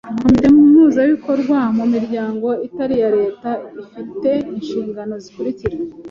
Komite mpuzabikorwa mu miryango itari iya Leta ifi te inshingano zikurikira